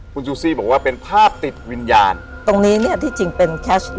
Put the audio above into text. คุณซูซี่บอกว่าเป็นภาพติดวิญญาณตรงนี้เนี่ยที่จริงเป็นแคช